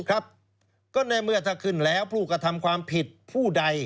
ก็ในเมื่อถ้าขึ้นแล้วผู้กระทำความผิดผู้ใด